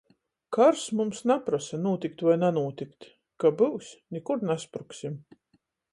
Kars mums naprosa, nūtikt voi nanūtikt — ka byus, nikur naspruksim.